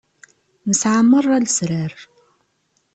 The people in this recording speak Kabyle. Nesɛa merra lesrar.